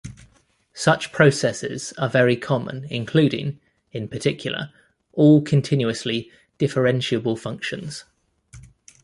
Such processes are very common including, in particular, all continuously differentiable functions.